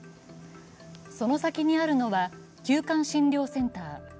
その先にあるのは、急患診療センター。